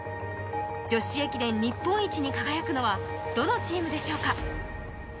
女子駅伝日本一に輝くのは、どのチームでしょうか。